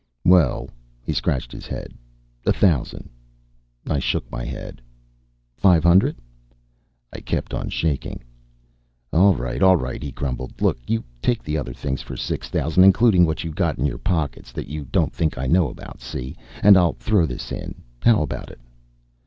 "Well " he scratched his head "a thousand?" I shook my head. "Five hundred?" I kept on shaking. "All right, all right," he grumbled. "Look, you take the other things for six thousand including what you got in your pockets that you don't think I know about, see? And I'll throw this in. How about it?"